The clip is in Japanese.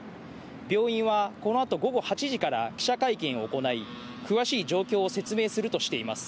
病院はこのあと午後８時から記者会見を行い、詳しい状況を説明するとしています。